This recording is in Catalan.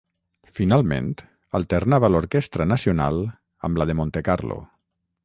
Finalment, alternava l'Orquestra Nacional amb la de Montecarlo.